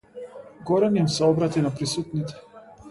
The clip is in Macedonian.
Горан им се обрати на присутните.